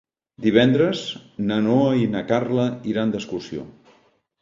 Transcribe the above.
Divendres na Noa i na Carla iran d'excursió.